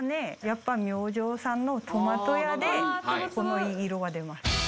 やっぱ明城さんのトマトやでこの色が出ます。